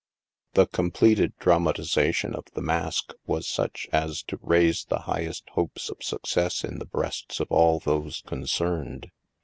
The completed dramatization of '* The Mask '* was such as to raise the highest hopes of success in the breasts of all those concerned.